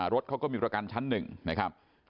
รถเขาก็มีประกันชั้นหนึ่งนะครับ